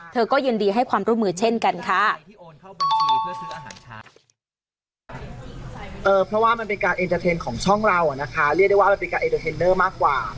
เธอก็ยินดีให้ความร่วมมือเช่นกันค่ะ